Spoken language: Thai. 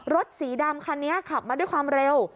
สีดำคันนี้ขับมาด้วยความเร็ว